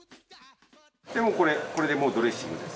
でもうこれでドレッシングです。